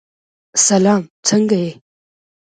سلام! څنګه یې؟